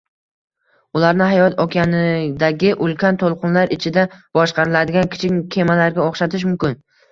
ularni hayot okeanidagi ulkan to‘lqinlar ichida boshqariladigan kichik kemalarga o‘xshatish mumkin.